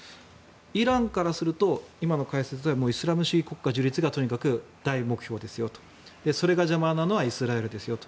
イランからすると今の解説ではイスラム主義国家樹立が大目標ですよとそれが邪魔なのはイスラエルですよと。